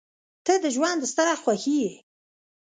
• ته د ژونده ستره خوښي یې.